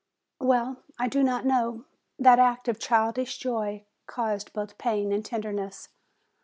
Well, I do not know, that act of childish joy caused both pain and tenderness.